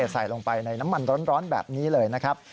ใส่ลงไปในน้ำมันร้อนแบบนี้เลยนะครับ